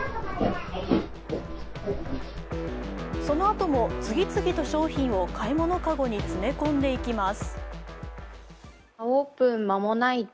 その後も、次々と商品を買い物カゴに詰め込んでいきます。